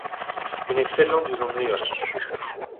en he fellañ diouzh an heol